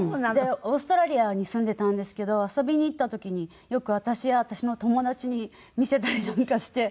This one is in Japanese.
オーストラリアに住んでたんですけど遊びに行った時によく私や私の友達に見せたりなんかして。